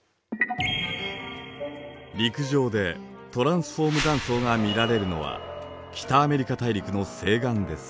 陸上でトランスフォーム断層が見られるのは北アメリカ大陸の西岸です。